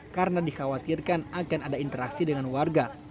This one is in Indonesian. karena dikhawatirkan akan ada interaksi dengan warga